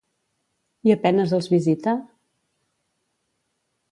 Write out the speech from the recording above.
I a penes els visita?